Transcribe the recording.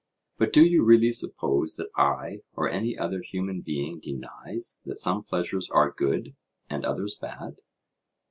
But do you really suppose that I or any other human being denies that some pleasures are good and others bad?